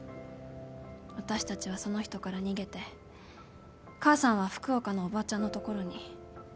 私たちはその人から逃げて母さんは福岡のおばちゃんの所に。